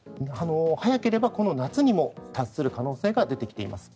早ければこの夏にも達する可能性が出てきています。